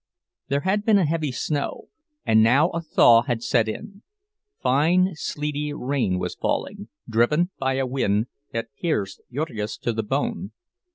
There had been a heavy snow, and now a thaw had set in; fine sleety rain was falling, driven by a wind that pierced Jurgis to the bone.